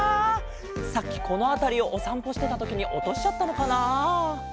さっきこのあたりをおさんぽしてたときにおとしちゃったのかな。